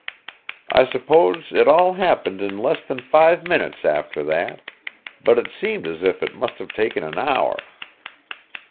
I suppose it all happened in less than five minutes after that, but it seemed as if it must have taken an hour.